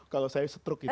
kalau saya setruk gitu